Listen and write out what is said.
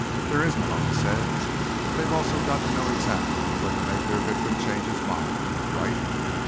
"There is," Malone said. "They've also got to know exactly when to make their victim change his mind. Right?"